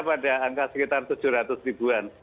pada angka sekitar tujuh ratus ribuan